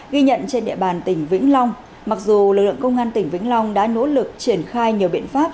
ghi nhận trên địa bàn tỉnh vĩnh long mặc dù lực lượng công an tỉnh vĩnh long đã nỗ lực triển khai nhiều biện pháp